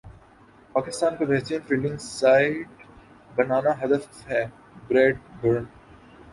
پاکستان کو بہترین fielding side بنانا ہدف ہے بریڈ برن